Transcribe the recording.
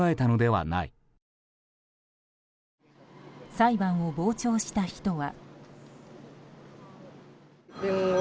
裁判を傍聴した人は。